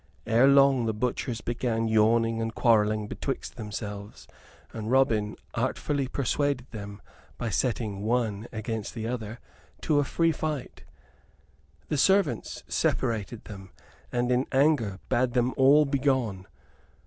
Ere long the butchers began yawning and quarrelling betwixt themselves; and Robin artfully persuaded them, by setting one against the other, to a free fight. The servants separated them, and in anger bade them all begone.